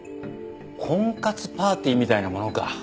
婚活パーティーみたいなものか。